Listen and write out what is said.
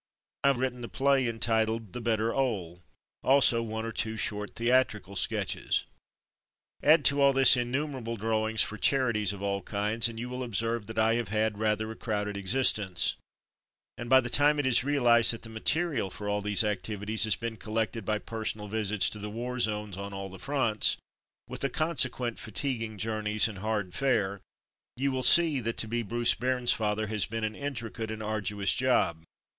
I have written the play entitled. The Better 'Ole^ also one or two short theatrical sketches. Add to all this innumerable drawings for charities of all kinds, and you 204 From Mud to Mufti will observe that I have had rather a crowded existence, and by the time it is realized that the material for all these activities has been collected by personal visits to the war zones on all the fronts, with the consequent fatiguing journeys and hard fare, you will see that to be ^' Bruce Bairns father" has been an intricate and arduous job.